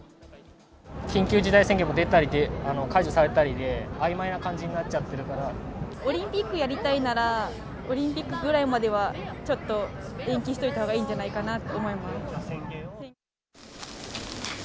緊急事態宣言も出たり解除されたりで、あいまいな感じになっオリンピックやりたいなら、オリンピックぐらいまではちょっと延期しといたほうがいいんじゃないかなと思います。